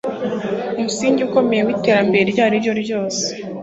umusingi ukomeye w'iterambere iryo ariryo ryose